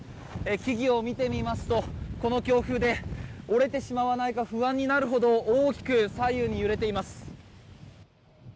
木々を見てみますとこの強風で折れてしまわないか不安になるほど大きく左右に揺れています。